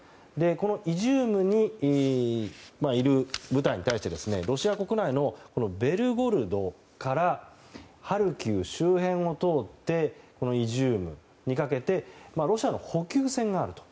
このイジュームにいる部隊に対してロシア国内のベルゴロドからハルキウ周辺を通ってイジュームにかけてロシアの補給線があると。